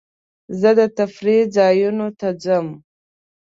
زه د تفریح ځایونو ته ځم.